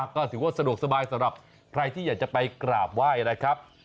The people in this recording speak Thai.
ก็ถือว่าสะดวกสบายสำหรับใครที่อยากจะไปกราบไหว้นะครับ